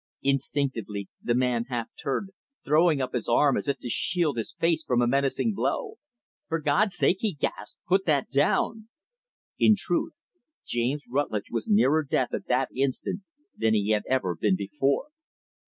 Instinctively, the man half turned, throwing up his arm as if to shield his face from a menacing blow. "For God's sake," he gasped, "put that down." In truth, James Rutlidge was nearer death, at that instant, than he had ever been before.